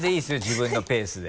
自分のペースで。